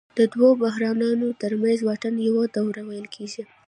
د دوو بحرانونو ترمنځ واټن ته یوه دوره ویل کېږي